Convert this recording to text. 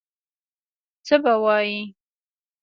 څه به وایي.